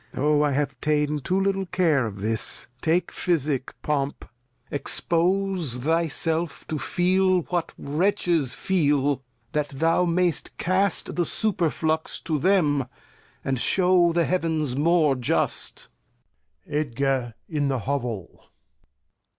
r.'^^ f"^ \ O! I have ta'en too little Care of this, tj^„,„^ «/— 4^ake Physick, Pomp, 7Xc^ J Expose thy self to feel what Wretches feel. That thou may'st cast the Superflux to them, _And shew the Heav'ns more just. Edgar in the Hovell.